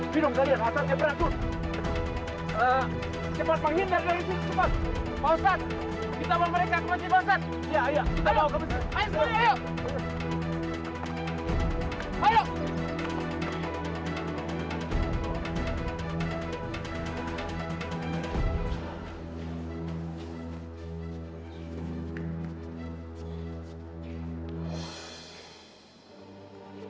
jidung kalian asapnya beracun